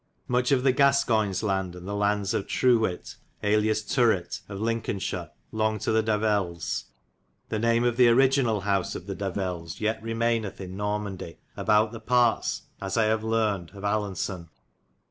Much of the Ciascoynes lande and the landes of True whit, alias Turwit, of Lincolnshir, longid to the Davelles. The name of the originate house of the Davelles yet remainith yn Normandie aboute the partes, as I have heard, of Alaunsun.